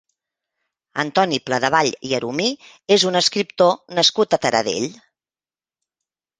Antoni Pladevall i Arumí és un escriptor nascut a Taradell.